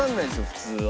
普通は。